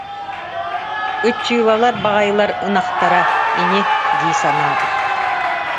Ыччыылалар баҕайылар ынахтара ини дии санаабыт